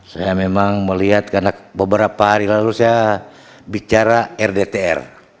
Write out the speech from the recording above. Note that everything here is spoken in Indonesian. saya memang melihat karena beberapa hari lalu saya bicara rdtr